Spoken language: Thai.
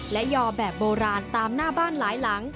และยอแบบโบราณตามหน้าบ้านหลายหลัง